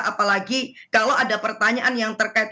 apalagi kalau ada pertanyaan yang terkait